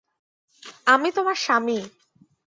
আমি তোমার স্বামী।